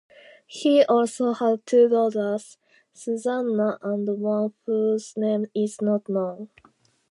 He also had two daughters, Susanna, and one whose name is not known.